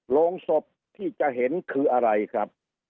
โรงศพที่จะเห็นคืออะไรครับ